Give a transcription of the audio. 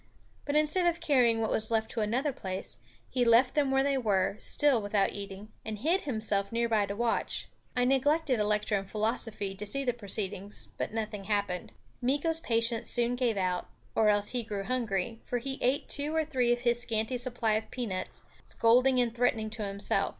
But instead of carrying what were left to another place, he left them where they were, still without eating, and hid himself near by to watch. I neglected a lecture in philosophy to see the proceedings, but nothing happened. Meeko's patience soon gave out, or else he grew hungry, for he ate two or three of his scanty supply of peanuts, scolding and threatening to himself.